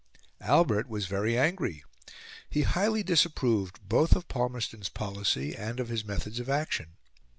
Albert was very angry. He highly disapproved both of Palmerston's policy and of his methods of action.